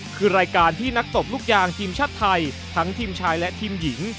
คือรายการที่นักตบลูกยางทีมชาติไทยทั้งทีมชายและทีมหญิง